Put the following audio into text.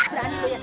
berani lu ya